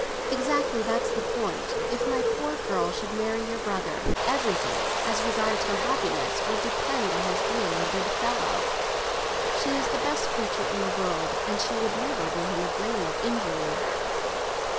"Exactly; that's the point. If my poor girl should marry your brother, everything—as regards her happiness—would depend on his being a good fellow. She is the best creature in the world, and she could never do him a grain of injury.